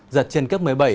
giật trên cấp một mươi bảy